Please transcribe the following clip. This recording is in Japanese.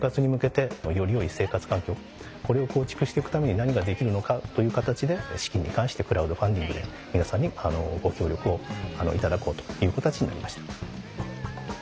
これを構築していくために何ができるのかという形で資金に関してクラウドファンディングで皆さんにご協力をいただこうという形になりました。